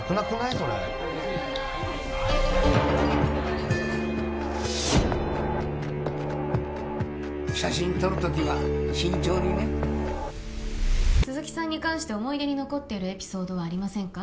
それ写真撮る時は慎重にね鈴木さんに関して思い出に残っているエピソードはありませんか？